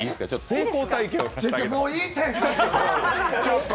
成功体験をさせてあげないと。